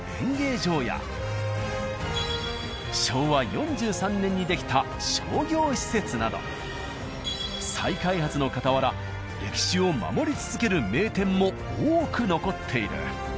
昭和４３年に出来た商業施設など再開発のかたわら歴史を守り続ける名店も多く残っている。